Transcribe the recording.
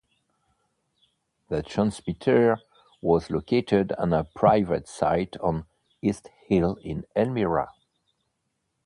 The transmitter was located at a private site on East Hill in Elmira.